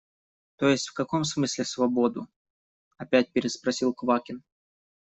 – То есть в каком смысле свободу? – опять переспросил Квакин.